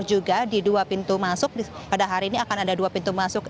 juga di dua pintu masuk pada hari ini akan ada dua pintu masuk